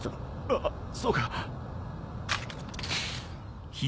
あっそうか。